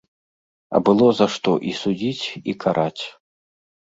А было за што і судзіць, і караць.